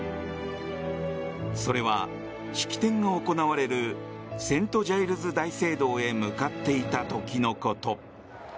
それは式典が行われるセント・ジャイルズ大聖堂へ向かっていた時のこと。